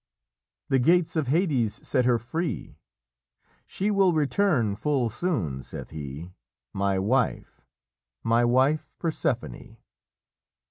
The gates of Hades set her free; 'She will return full soon,' saith he 'My wife, my wife Persephone.'"